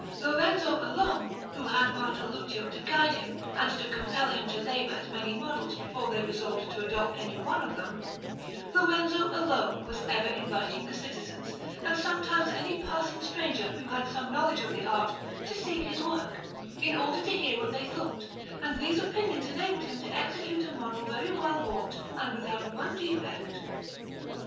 Lorenzo alone, who had Bartoluccio to guide him and to compel him to labour at many models before they resolved to adopt any one of them Lorenzo alone was ever inviting the citizens, and sometimes any passing stranger who had some knowledge of the art, to see his work, in order to hear what they thought and these opinions enabled him to execute a model very well wrought and without one defect.